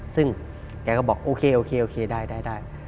ซึ่งแกก็บอกโอเคโอเคได้